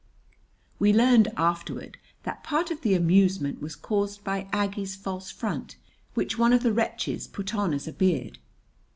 [We learned afterward that part of the amusement was caused by Aggie's false front, which one of the wretches put on as a beard.